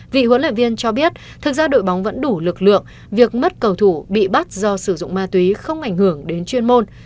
vị huấn luyện viên cho biết thực ra đội bóng vẫn đủ lực lượng việc mất cầu thủ bị bắt do sử dụng ma túy không ảnh hưởng đến chuyên môn